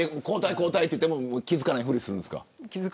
交代といっても気付かないふりするんですか。